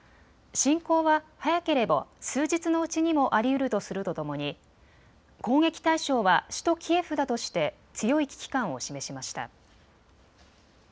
侵攻は早ければ数日のうちにもありうるとするとともに攻撃対象は首都キエフだとして強い危機感を示しました。